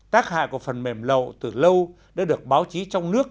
tác hại của phần mềm lậu từ lâu đã được báo chí trong nước